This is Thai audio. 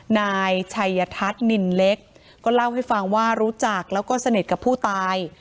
นายชัยทัศน์นินเล็กก็เล่าให้ฟังว่ารู้จักแล้วก็สนิทกับผู้ตาย